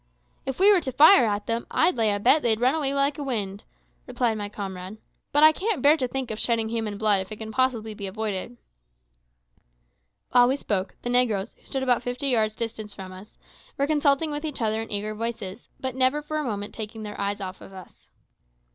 "If we were to fire at them, I'd lay a bet they'd run away like the wind," replied my comrade; "but I can't bear to think of shedding human blood if it can possibly be avoided." While we spoke, the negroes, who stood about fifty yards distant from us, were consulting with each other in eager voices, but never for a moment taking their eyes off us.